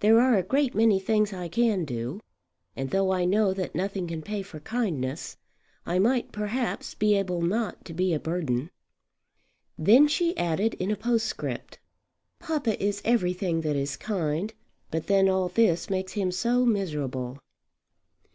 There are a great many things I can do; and though I know that nothing can pay for kindness, I might perhaps be able not to be a burden." Then she added in a postscript "Papa is everything that is kind; but then all this makes him so miserable!"